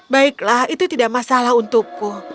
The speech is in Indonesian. baiklah itu tidak masalah untukku